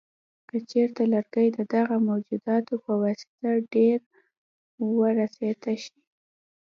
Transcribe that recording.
که چېرته لرګي د دغه موجوداتو په واسطه ډېر وراسته شي.